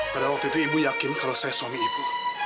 pada waktu itu ibu yakin kalau saya suami ibu